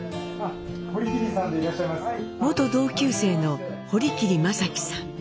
元同級生の堀切正喜さん。